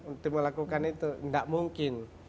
untuk melakukan itu tidak mungkin